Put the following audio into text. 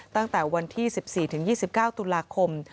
ตั้งแต่วันที่๑๔๒๙ตุลาคม